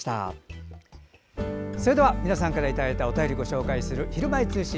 それではいただいたお便りをご紹介する「ひるまえ通信」